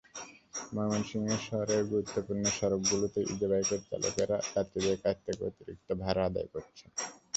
ময়মনসিংহ শহরের গুরুত্বপূর্ণ সড়কগুলোতে ইজিবাইকের চালকেরা যাত্রীদের কাছ থেকে অতিরিক্ত ভাড়া আদায় করছেন।